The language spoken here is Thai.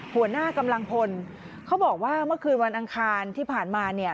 หัวหน้ากำลังพลเขาบอกว่าเมื่อคืนวันอังคารที่ผ่านมาเนี่ย